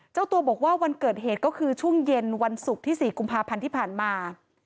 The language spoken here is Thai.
เจ้าตัวบอกว่าวันเกิดเหตุก็คือช่วงเย็นวันศุกร์ที่๔กุมภาพันธ์ที่ผ่านมา